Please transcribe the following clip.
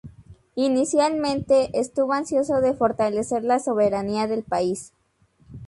Inicialmente, estuvo ansioso de fortalecer la soberanía del país.